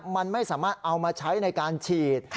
มันไม่สามารถเอามาใช้ในการฉีด